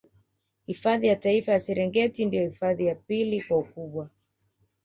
Hifadhi ya Taifa ya Serengeti ndio hifadhi ya pili kwa ukubwa